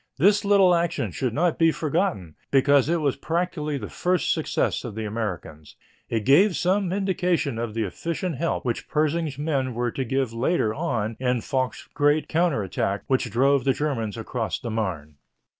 This little action should not be forgotten, because it was practically the first success of the Americans. It gave some indication of the efficient help which Pershing's men were to give later on in Foch's great counter attack which drove the Germans across the Marne.